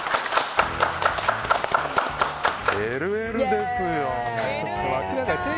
ＬＬですよ！